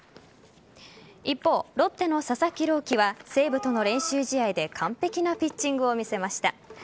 一方、ロッテの佐々木朗希は西武との練習試合で完璧なピッチングを見せました。